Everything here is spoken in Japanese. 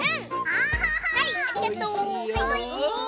おいしい！